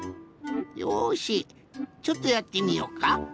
よしちょっとやってみようか。